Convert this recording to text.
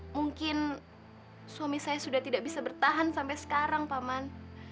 mungkin suami saya sudah tidak bisa bertahan sampai sekarang paman